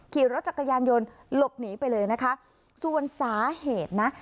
ขี่รถจักรยานยนต์หลบหนีไปเลยนะคะส่วนสาเหตุนะ